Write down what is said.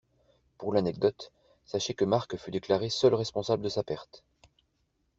Pour l’anecdote, sachez que Marc fut déclaré seul responsable de sa perte.